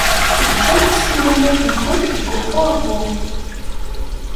Teǧǧamt ssiwanat-nkent deg ufurgu.